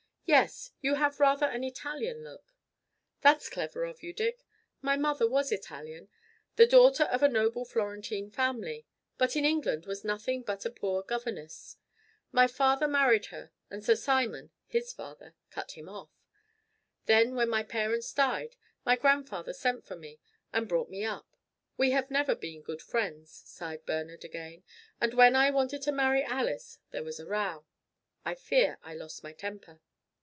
"Yes! You have rather an Italian look." "That's clever of you, Dick. My mother was Italian, the daughter of a noble Florentine family; but in England was nothing but a poor governess. My father married her, and Sir Simon his father cut him off. Then when my parents died, my grandfather sent for me, and brought me up. We have never been good friends," sighed Bernard again, "and when I wanted to marry Alice there was a row. I fear I lost my temper.